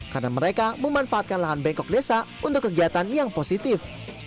karena mereka memanfaatkan lahan bengkok desa untuk kegiatan yang positif